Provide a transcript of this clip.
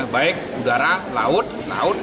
baik udara laut